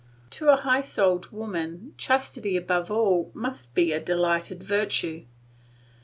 To a high souled woman chastity above all must be a delightful virtue.